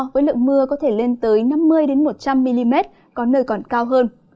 với lượng mưa có thể lên tới năm mươi một trăm linh mm có nơi còn cao hơn